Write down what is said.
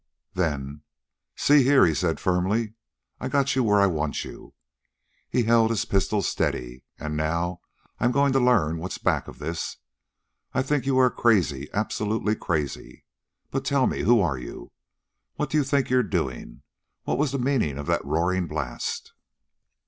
Then: "See here," he said firmly. "I've got you where I want you." he held the pistol steady "and now I'm going to learn what's back of this. I think you are crazy, absolutely crazy. But, tell me, who are you? What do you think you're doing? What was the meaning of that roaring blast?"